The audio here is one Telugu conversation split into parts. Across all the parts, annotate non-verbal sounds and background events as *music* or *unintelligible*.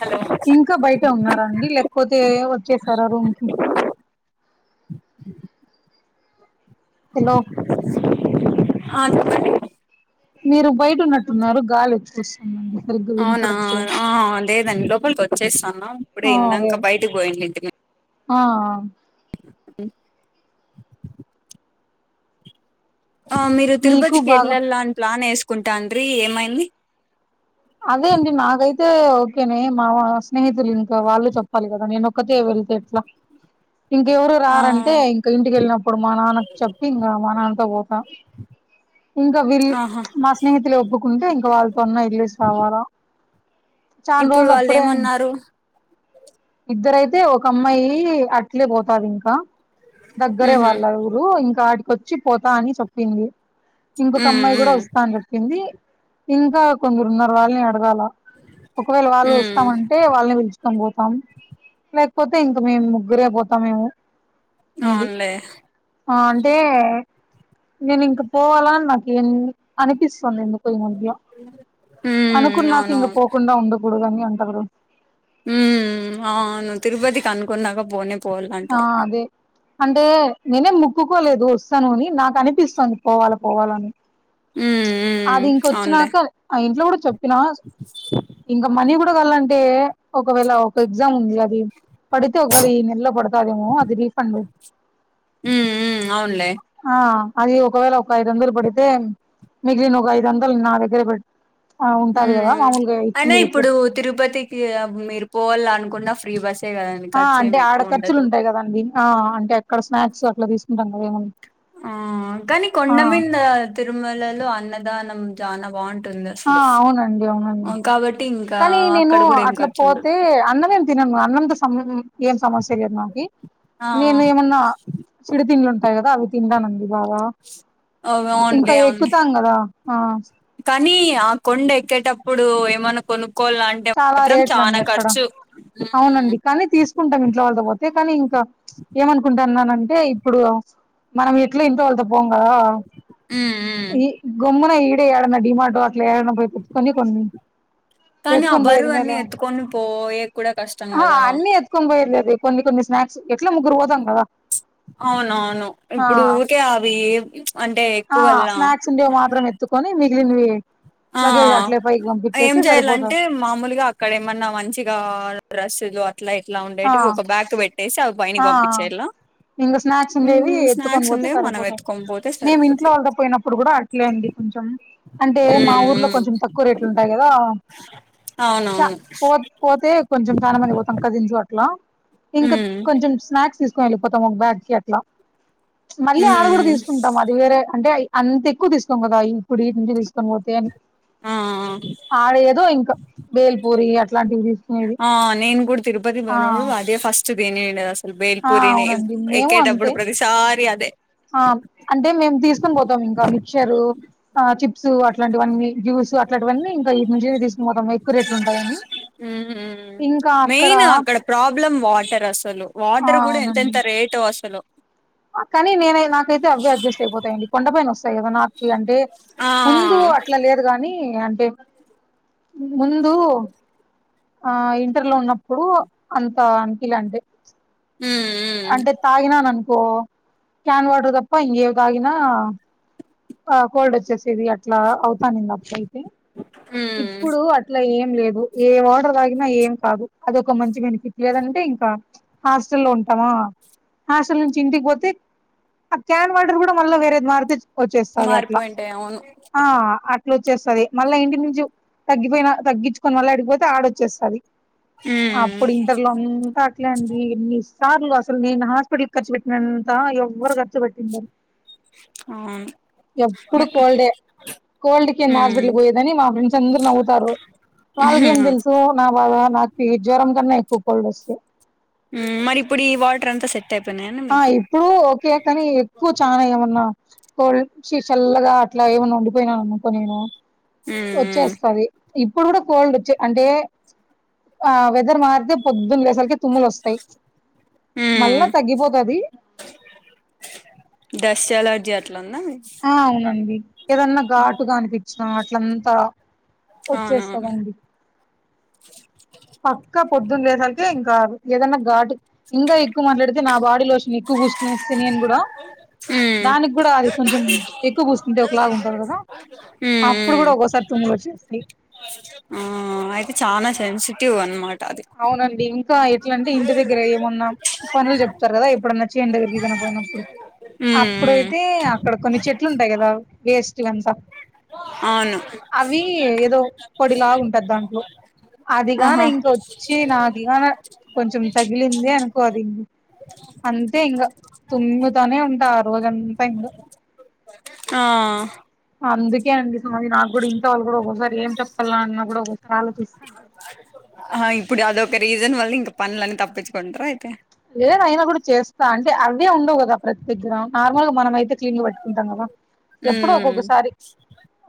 హలో ఇంకా బయట ఉన్నారండి లేకపోతే వచ్చేసారా రూమ్ కి హలో అ చెప్పండి మీరు బయటన్నట్టున్నారు గాలి ఎక్కొస్తుందండి అవునా అ లేదండి లోపలికి వచ్చేసాను ఇప్పుడే అదే ఇందాంక బయటకి పోయిడింటిమి ఆ ఆ ఆ మీరు మీకు తిరుపతికి బాగా ఎళ్ళాల అని ప్లాన్ వేసుకుంటాండీ ఏమైంది అదేంది నాకైతే ఓకేనే మా స్నేహితులు ఇంకా వాళ్ళు చెప్పాలి కదా నేనుొక్క ఎట్లా ఇంకెవరు ఆ రారంటే ఇంక ఇంటికెళ్ళినప్పుడు మా నాన్నకు చెప్పి ఇంకా మా నాన్నతో పోత ఇంకా వీళ్ళు ఆహా మా స్నేహితులు ఒప్పుకుంటే ఇంకా వాళ్ళతోన్న ఇడ్లీ శ్రావారం ఇప్పుడు వాళ్ళు చంరోజులపుడే ఏమన్నారు ఇద్దరయితే ఒక అమ్మాయి అట్లే పోతది ఇంకా దగ్గరే ఉహు వాళ్ళరు ఇప్పుడు ఇంకాడికొచ్చి పోతా అని చెప్పింది ఇంకొక ఉమ్ అమ్మాయి కూడా ఉమ్ వస్తాను చె ఏంది ఇంకా కొందరు ఉన్నారు వాళ్ళని అడగాల ఒకవేళ వాళ్ళు ఉమ్ వస్తామంటే అే వాళ్ళని పిలుచుకొని పోతాం లేకపోతే ఇంక మేము ముగ్గురే పోతామేమో మె బి అవునులే ఆ అంటే నేను ఇంక పోవాలాని నాకు ఏం అనిపిస్తుంది ఎందుకు పోయి మద్య ఉమ్ అనుకున్నాక ఇంగా అవునవును పోకుండా ఉండకూడదని అంటారు ఉం అవును తిరుపతికి అనుకున్నాక పోనే ఆ పోవాలంటారు అదే అంటే నేనే ముక్కుకోలేదు వస్తాను అని నాకు అనిపిస్తుంది పోవాల పోవాలని ఉమ్ ఉమ్ అది ఇంకొచ్చినాక ఆ ఇంట్లో కూడా చెప్పినా స ఇంకా మనీ కూడా కలంటే ఒకవేళ ఒక ఎగ్జామ్ ఉంది అది పడితే ఒకళ ఈ నెల ఆ అదిమో రిఫండ్ ఉమ్ ఉమ్ అవునులే ఆ అది ఒకవేళ ఒక ఐదు వందలు పడితే మిగిలిన ఒక ఐదు వందలు నా దగ్గరే పెట్ ఆ ఉంటాది కదా హ్మ్ మాముూలుగా అయినా ఇచ్చింది ఇప్పుడు తిరుపతికి మీరు పోవాల అనుకున్న ఫ్రీ బస్సే కదండి ఆ ఖర్చు అంటే ఏమి ఆడ ఎక్కువ ఖర్చులు ఉండదు ఉంటాయి కదండి ఆ అంటే అక్కడ స్నాక్స్ అట్లా తీసుకుంటాం కదా ఏమ ఆ కాగానీ కొండమీద తిరుమలలో అన్నదానం చాలా బాగుంటు ఆ అవునండి అవునండి కాబట్టి ఇంకా కానీ నేను అక్కడ కూడా ఏం అట్లా ఖర్చు పోతే ఉండదు అన్నమ తినము అన్నంత సమ ఏం సమస్య లేదు నాకి ఆ నేను ఏమన్నా చిడు తిండ్లుంటాయి కదా అవి తిండానడి బా అవ్ ఇంకా అవునులే అవునులే ఎక్కుతాం కదా ఆ కానీ ఆ కొండ ఎక్కేటప్పుడు ఏమన్నా కొనుక్కోాల అంటే చాలా మాత్రం రేట్లండి చానా అక్కడ ఖర్చు హ్మ్ అవునండి కానీ తీసుకు కుంటాం ఇంట్లో వాళ్ళద పోతే కానీ ఇంకా ఏమనుకుంటున్నానంటే ఇప్పుడు మనం ఎట్లా ఇంటి వాళ్ళత పోంగ ఉ ఈ గమ్మున ఈడే ఏడన్నా డిమాటో అట్లా ఏడన్నా పోయి పెట్టుకొని కొన్ని కానీ ఆ ఎత్తుకొని పోయేది బరువు అన్నిీ మేలేమో ఎత్తుకొని పోయే కూడా కష్టం కదా ని పోయర్లేదు కొన్ని స్నాక్స్ ఎట్లా ముగగు పోాం కదా అవునవును ఆ ఇప్పుడు ఊరికే అవి అంటే ఆ ఎక్కువ వల్ల స్నాక్స్ మాత్రం త కొన నిగలి మీ ఆ ఏం సరిపోతది చెయాలంటే మామూలుగా ఇక్కడ ఏమన్నా మంచిగా డ్రెస్లు ఇట్లా ఇట్లా ఆ ఉండేటివి ఒక బ్యాకు పెట్టేసి అవి పైని ఆ పంపించేలా ఇంగ స్నాక్స్ ఉండేవి హ్మ్ ఎత్తుకొని స్నాక్స్ పోతే ఉండే మనం సరిపోతుంది ఎత్తుకొని పోతే మేము ఇంట్లో సరిపోద్ది వాళ్ పోయినప్పుడు కూడా ట్లే అండి కొంచెం అంటే మా హ్మ్ ఊర్లో హ్మ్ కొంచెం తక్కువ రేట్లు ఉంటాయి కదా చ అవునవును పో పోతే కొంచెం చానా మంది బోతాం అక్క దింజు అట్లా, ఇంక ఉమ్ కొంచెం స్నాక్స్ దీస్ కొని ఎళ్ళిపోతాం ఒక బ్యాచ్కి అట్ల, మళ్ళీ ఆడ గుడా ఉమ్ దీసుకుంటాం అది వేరే అంటే అంత ఎక్కువ దీసుకోం గదా, ఇప్పుడు ఈటి నుంచి దీసుకొని బోతే అని ఆ ఆడేదో! ఇంకా బేల్పూరి అట్లాంటివి దీసుకునేది ఆ ఆ నేను గూడా తిరుపతి బోయినోడు అదే ఫస్ట్ దేనిండదస్ ఆ బేల్పూరిని ఇప్ అవునండి మేము ఎక్కే టప్పుడు, అంతే ప్రతిసారి అదే ఆ అంటే మేము దీసుకొని పోతాం ఇంకా మిక్చరూ ఆ చిప్స్ అట్లాంటివన్నీ, జ్యూస్ అట్లాంటివన్నీ, ఇంకా ఇటు నుంచి దీసుకుని, బోతాం ఎక్కువ రేట్లు ఉంటాయని ఊహూ మెయిన్ అక్కడ ప్రాబ్లం వాటర్ అసలు ఆ వాటర్ గుడా ఎంతెంత రేటో అసలు కనీ నేను నాకైతే అవే అడ్జస్ట్ అయిపోతాయండి. కొండపైన ఒస్తయి గదా నాకు ఫ్రీ అంటే ఆ ముందూ అట్ల లేదు గానీ, అంటే ముందూ ఆ ఇంటర్ లో ఉన్నప్పుడూ అంతా అని, కిలా అంటే. ఉమ్ ఉమ్ అంటే తాగినాననుకో, క్యాన్ వాటర్ దప్ప ఇంగేవి తాగినా ఆ కోల్డ్ వచ్చేసేది అట్లా అవుతానుంది అప్పు అయితే ఉమ్ ఇప్పుడూ అ ట్లా ఏం లేదు, ఏ వాటర్ తాగినా ఏం కాదు. అది ఒక మంచి బెనిఫిట్ లేదంటే ఇంకా హాస్టల్లోన్ హాస్టల్ నుంచి ఇంటికి బోతే, ఆ క్యాన్ వాటర్ గూడా మళ్ళ వేరేది మారుపిచ్ ఒచ్చేస్తాది అట్లా మారిపోయింటాయి అవును ఆ అ వచ్చేస్తది మళ్ళా ఇంటి నుంచి, తగ్గిపోయినా తగ్గిచ్చుకొని, మళ్ళ ఆడికిబోతే, ఆడ ఒచ్చేస్తది. ఊ అప్పుడు, ఇంటర్లొ అంతా అట్లేండి ఎన్నిస్ సార్లు అసలు నేను హాస్పిటల్క్ ఖర్చు పెట్టినంతా ఎవ్వరు ఖర్చు బెట్టి ఉండరు. అవును ఎప్పుడు కోల్డే, కోల్డ్ ఉమ్ కింద్హాస్పిటల్ బొయ్ గని, మా ఫ్రెండ్స్ అందరు నవ్వుతారు. ఉహు వాళ్ళకేం దెలుసూ నా బాదా? నాకు ఈ జ్వరం కన్నా ఎక్కువ కోల్డ్ ఒస్తే మ్ మరి ఇప్పుడు, ఈ వాటర్ అంతా సెట్ టై పొయినాయన్న? ఆ ఇప్పుడూ ఓకే కని, ఎక్కువ చానా ఏమన్నా కోల్డ్ ఒచ్చి చల్లగా అట్లా ఏమన్నా ఉండిపోయినాను అనుకో నేను ఉమ్ ఒచ్చేస్తది. ఇప్పుడు గుడా కోల్డ్ ఒచ్చి, అంటే ఆ వెదర్ మారితె పొద్దున్ లే అసలికి తుమ్ములు ఒస్తయి, మళ్ళ ఉమ్ తగ్గిపో డస్ట్ ఎలర్జి అట్ల ఉన్నాయ్. ఆ అవునండి ఏదన్న ఘాటుగా అనిపించినా, అట్లంతా అవునవును ఒచ్చేస్తమండి. పక్కా పొద్దున్ లేవడానికే, ఇంకా ఏదన్న గాటు ఇంకా ఎక్కువ మాట్లాడి నా బాడీ లోషన్ ఎక్కువ బూసుకునేస్తే, నేను గుడా ఉమ్ దానికి గుడా అది కొంచెం ఎక్కువ బూసుకుంటే, ఒకలాగ ఉంటది గదా? అప్పుడు ఉమ్ గుడా ఒక్కోసారి తుమ్ములొచ్చేస్తయ్. ఊమ్ అయితే చాలా సెన్సిటివ్ అన్నమాట అది. అవునండి, ఇంకా ఎట్ల అంటే ఇంటి దగ్గర ఏమున్నా పనులు జెప్తరు గదా? ఎప్పుడన్నా చేన్ల దగ్గరికి గన బొయినప్పుడు ఉమ్ ఉమ్ అప్పుడైతే, అక్కడ కొన్ని చెట్లు ఉంటయి గదా? వేస్ట్వి అంతా అవును. అవి ఏదో పొడిలాగుంటది దాంట్లో అదిగాన ఆహా ఇంకో చ్చి నా దగాన కొంచెం తగిలింది అనుకో అది అంతే ఇంకా తుమ్ముతానే ఉంటా ఆ రోజంతా ఇంకా ఆ అందుకే అండి ఇ సారి నాకు కూడా ఇంత వాళ్ళు కూడా ఒక్కోసారి ఏం చెప్పాల అన్న కూడా ఒక్కోసారి ఆలోచిస్తా ఆ ఇప్పుడు అదొక రీజన్ వల్ల ఇంకా పనులని తప్పించుకుంటారు అయితే లేద అయినా కూడా చేస్తా అంటే అవే ఉండవు కదా ప్రతి గ్రామ్ నార్మల్ గా మనం అయితే క్లీన్ గా పెట్టుకుంటాం కదా ఎప్పుడు ఉమ్ ఒక్కొక్కసారి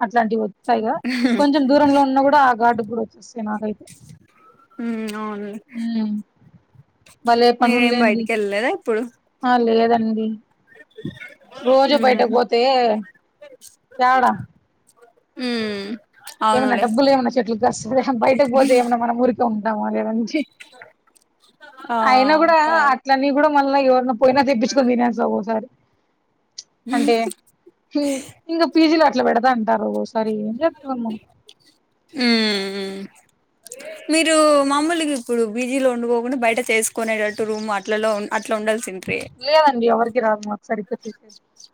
అట్లాంటివి వస్తాయిగా కొంచెం దూరంలో ఉన్న కూడా ఆ గార్డు కూడా వచ్చస్తుంది నాకైతే అవును ఉం భలే మీరేం పనుల్లేండి బయటికి వెళ్ళలేదా ఇప్పుడు ఆ లేదండి రోజు బయటకు ఉహు పోతే ఎడా ఉమ్ ఏమైన్నా అవునులే డబ్బులు ఏమైన్నా చెట్లు కాస్తయా బయటకు పోతే ఏమైన్నా మనం ఊరికే ఉంటామో లేదీ *unintelligible* ఆ అయినా కూడా కాదు అట్లన్న కూడా మళ్ళీ ఎవరిన పోయినా తెప్పించుకొని తినేస్త ఒకోసారి అంటే ఇంకా పీజీలో అట్లా పెడదా అంటారు సారి ఏం చెస్తము ఉం మీరు మామూలుగా ఇప్పుడు పీజీలో ఉండ కోకుండా బయట చేసుకునేటటు రూమ్ అట్లలో అట్లా ఉండాల్సి లేదండి ఎవరికి రాదు మాకు సరిగాసేది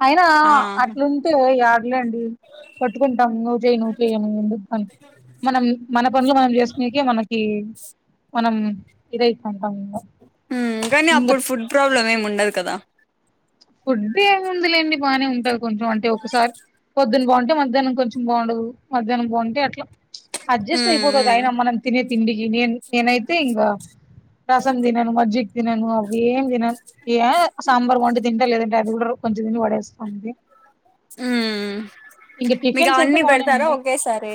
అయినా ఆ అట్లుంటే లేండి పట్టుకుంటాం నువ్ చేయ నువ్ చేము ఎందుకుని మనం మన పనులు మనం చేసినకే మనకి మనం ఇదైతే ఉంటాం ఇంకా ఇంకా ప్రాబ్లమ్ ఏమి ఉండదు కదా ఫుడ్ ఏమిముందిలేండి బానే ఉంట కొంచం అంటే ఒకసారి పొద్దున బాగుంటే మధ్యాహ్నం కొంచం బాగుండదు మధ్యాహ్నం బాగుంటే అట్లా అడ్జస్ట్ ఉమ్ అయిపోతుమ్ ఉమ్ అయిన మనం తినే తిండికి నేన్ నేనైతే ఇంగ రసం తినను మజ్జిగ తినను అవే ఎం తినను ఇగ సాంబార్ వండి తింటా లేదంటే అది కూడా కొంచం తిని పడేస్తాంది మ్మ్ ఇంగ మీకు టిఫిన్స్ అయితే అవన్నీ బానే పెడతారా ఉంటాయి ఒకేసారి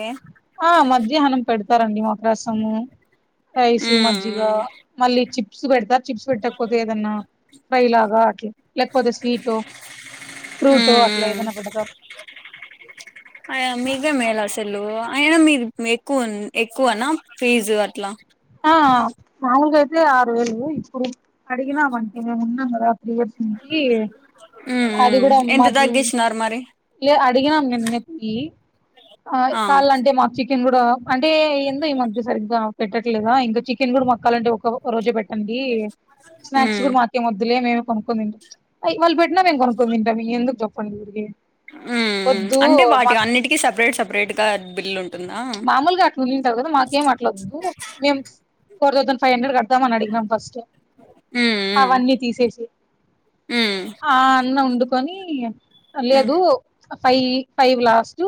ఆ మధ్యాహ్నం పెడతారండి మాకు రసము రైస్ మజ్జిగ మ్మ్ మళ్ళీ చి చిప్స్ పెడతారు చిప్స్ పెట్టకపోతే ఏదన్నా ఫ్రై లాగా అట్లా లేకపోతే స్వీట్ ఫ్రూట్ అట్లా మ్మ్ ఏదైనా పెడతారు అయినా మీకే మేలు అసలు అయినా మీరు మీకు ఎక్కువనా ఫీజు అట్లా ఆ మాములుగా ఐతే ఆరు వేలు ఇప్పుడు అడిగినా అంటే మేము ఉన్నాం కదా త్రీ ఇయర్స్ నుంచి ఉమ్ అది ఉం కూడా ఎంత మాకి తగ్గించినారు మరి లే అడిగినాం నిన్నకి ఆ కాళ్ళ అంటే మాకు చికెన్ కూడా అంటే ఎందో ఈ మధ్య సరిగా పెట్టట్లేదా ఇంకా చికెన్ కూడా మక్కాల అంటే ఒక ఓ రోజు పెట్టండి స్నాక్స్ మ్మ్ కూడా మా కేం వద్దులే మేము కొనుకుతింటాం వాళ్ళు పెట్టినా మేం కొనుక్కు తింటాం ఇగ ఎందుకు చెప్పండి ఊరికే ఉం వద్దు అంటే వాటి మాకు అన్నిటికీ సపరేట్ సపరేట్ గా బిల్లు ఉంటుందా కూలింగ్ తగ్గదు మాకేం అట్లా వద్దు మేం ఫోర్ తౌసంద్ ఫైవ్ హండ్రెడ్ కడతాం అడిగినాం ఫస్ట్ మ్మ్ మ్మ్ అవన్నీ తీసేసి మ్మ్ ఆ అన్నం వండుకొని మ్మ్ లేదు ఫైవ్ ఫైవ్ లాస్ట్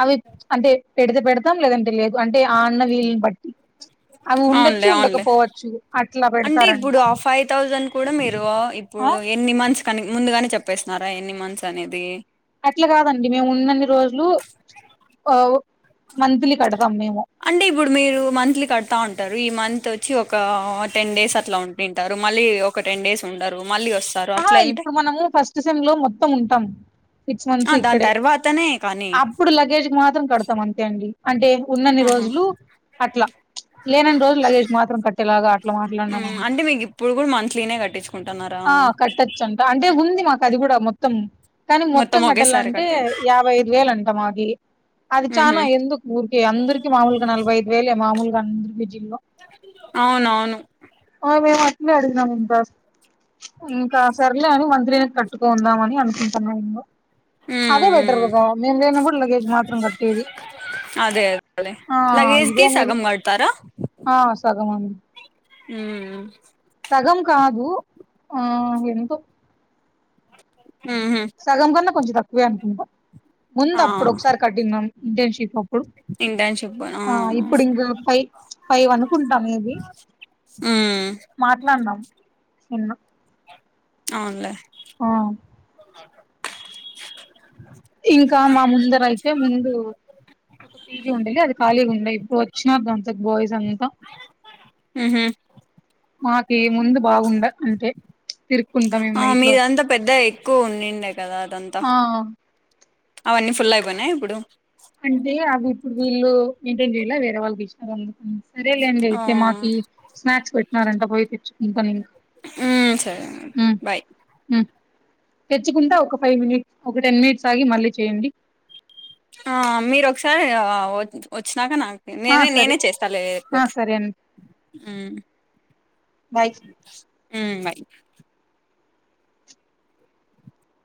అవి అంటే పెడితే పెడతాం లేదంటే లేదు అంటే ఆ అన్న వీళ్ ని బట్టి అవి ఉండొచ్చు అవున్లే అవున్లే ఉండకపోవచ్చు అట్లా అంటే పెడతారంట ఇప్పుడు ఆ ఫైవ్ థౌసండ్ కూడా మీరు ఆ ఇప్పుడు ఎన్ని మంత్స్ కనీ ముందుగానే చెప్పేసినార ఇన్ని మంత్స్ అనేది అట్లా కాదండి మేము ఉన్నన్ని రోజులు మంత్లీ కడతాం మేము అంటే ఇప్పుడు మీరు మంత్ లీ కడతా ఉంటారు ఈ మంత్ వచ్చి ఒక టెన్ డేస్ అట్లా ఉం తింటారు మళ్ళీ ఒక టెన్ డేస్ ఉండరు మళ్ళీ వస్ అహ ఇప్పుడు మనము ఫస్ట్ సెమ్ లో మొత్తం ఉంటాం సిక్స్ ఆ! మంత్స్ దాని ఇక్కడే తర్వాతనే కానీ అప్పుడు లగేజ్ మాత్రం కడతాం అంతే అండి అంటే ఉన్నన్ని ఆహా! రోజులు అట్లా లేనని రోజులు లగేజ్ మాత్రం కట్టేలాగ అట్లా మాట్లాడినాం హ్మ్. అండి అంటే మీకు ఇప్పుడు కూడ మంత్లీ నే కట్టిచు కుంటున్నార ఆ కట్టచ్చు అంట అంటే ఉంది మాకు అది కూడా మొ త్తం కానీ మొత్తం కట్టాల ఒకేసారి అంటే కట్టేది. యాభై ఐదు వేలు అంట మాకి అది హుహు. చాన ఎందుకు ఊరికే అందరికిీ మామూలుగా నలభై ఐదు వేలే మామూలుగా అందరికి పిజి లో అవునవును ఆ మేము అట్నే అడిగినం అబ్బ ఇంక సర్లే అని మంత్ లీనె కట్టుకుందామ అని అనుకుంటున్నా ఇంగ అదే హ్మ్. బెటర్ హ్మ్. కదా మేము లేనా కూడా లగేజ్ మాత్రం కట్టేది అదే అదే ఆ లగేజ్ కి ఇదే మేలు సగం కడతారా ఆ సగం అండి ఉమ్ సగం కాదు ఆ ఎంతో ఊహు సగం కన్నా కొంచం తక్కువే అనుకుంట ముందు ఆ! అప్పుడు ఒకసారి కట్టిన్నాం ఇంటర్న్షిప్ ఇప్పు ఇంటర్న్‌షిప్ ఆ అవునవును. ఇప్పుడు ఇంకా ఫైవ్ ఫైవ్ అనుకుంటాం మేబి ఉ మాట్లాడినాం సరెన అవున్లే ఆ ఆ అక్క ఇంకా మా ముందర అయితే ముందు పీజి ఉండేది అది ఖాలీగా ఉండె ఇప్పుడు వచ్చినారు దాంత బాయ్స్ అంతా ఉహు మాకేమి ఉంది బాగుంద అంతె ఆ మీదంతా పెద్ద ఎక్కువ ఉన్నిందె కదా అదంతా ఆ అవన్నీ ఫుల్ అయిపోయినాయి ఇప్పుడు అంటే అవి ఇప్పుడు వీళ్ళు మెయింటైన్ చేయాల వేరే వాళ్ళకి ఇచ్చినారు అందుకు సరేలే అండి ఆ అయితే మాకి స్నాక్స్ పెట్టినారంట పోయి తెచ్చుకుంటాను ఇంకా మ్ సరే బై్ తెచ్చుకుంటా ఒక ఫైవ్ మినిట్ ఒక టెన్ మినిట్స్ ఆగి మళ్ళీ చేయండి ఆ మీరు ఒకసారి వచ్చినాక నాకు ఆ నేనే సరే నేనే చేస్తాలే ఆ లేకపోతే సరే బై మ్మ్ బై